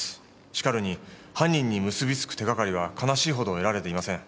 しかるに犯人に結びつく手がかりは悲しいほど得られていません。